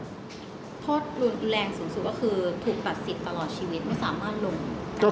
โทษรุนแรงสูงสุดก็คือถูกตัดสิทธิ์ตลอดชีวิตไม่สามารถลงได้